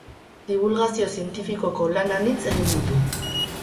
Dibulgazio zientifikoko lan anitz egin ditu.